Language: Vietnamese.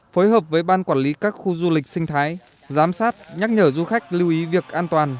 phối hợp với ban quản lý các khu du lịch sinh thái giám sát nhắc nhở du khách lưu ý việc an toàn